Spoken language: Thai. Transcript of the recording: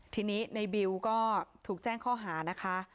ทีนี้ในบิวก็ถูกแจ้งข้อหานะคะ